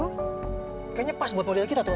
kayaknya pas buat model kita tuh